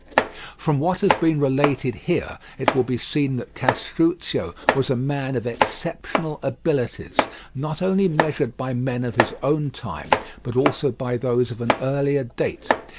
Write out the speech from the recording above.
From what has been related here it will be seen that Castruccio was a man of exceptional abilities, not only measured by men of his own time, but also by those of an earlier date.